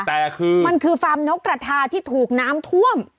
แต่คือมันคือฟาร์มนกกระทาที่ถูกน้ำท่วม